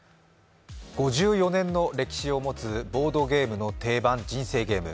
５４年の歴史を持つボードゲームの定番、「人生ゲーム」。